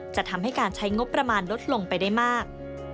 จะทำให้การใช้งบประมาณลดลงไปได้มาก